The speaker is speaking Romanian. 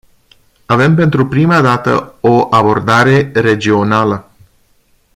Avem pentru prima dată o abordare regională.